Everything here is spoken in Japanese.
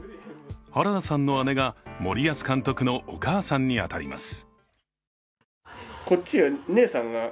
原田さんの姉が森保監督のお母さんに当たります。